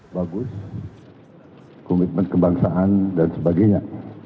bagus komitmen kebangsaan dan sebagainya